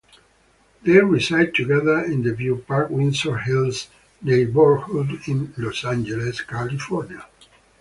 They reside together in the View Park-Windsor Hills neighborhood in Los Angeles, California.